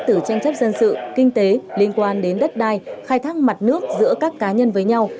từ tranh chấp dân sự kinh tế liên quan đến đất đai khai thác mặt nước giữa các cá nhân với nhau